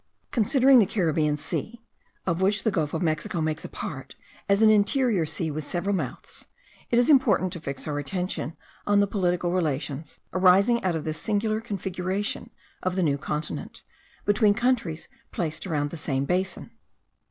Considering the Caribbean Sea, of which the gulf of Mexico makes a part, as an interior sea with several mouths, it is important to fix our attention on the political relations arising out of this singular configuration of the New Continent, between countries placed around the same basin.